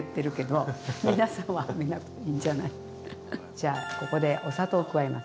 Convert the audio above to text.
じゃあここでお砂糖を加えます。